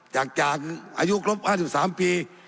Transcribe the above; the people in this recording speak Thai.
จากอายุครบ๕๓ปี